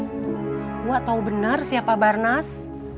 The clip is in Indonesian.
gue tahu benar siapa barnas